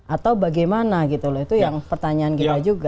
atau bagaimana gitu loh itu yang pertanyaan kita juga